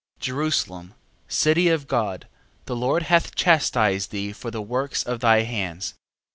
13:11. Jerusalem, city of God, the Lord hath chastised thee for the works of thy hands.